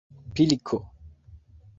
pilko